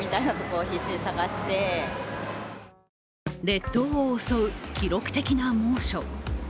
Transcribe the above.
列島を襲う記録的な猛暑。